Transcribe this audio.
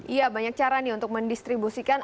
iya banyak cara nih untuk mendistribusikan